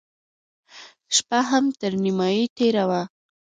شپه هم تر نيمايي تېره وه.